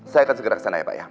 saya akan segera kesana ya pak ya